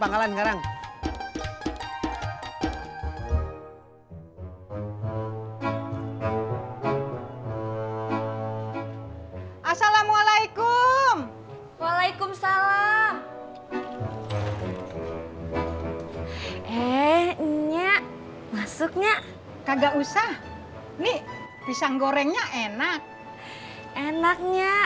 asalamualaikum waalaikumsalam ehnya masuknya kagak usah nih pisang gorengnya enak enaknya